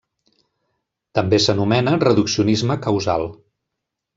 També s'anomena reduccionisme causal.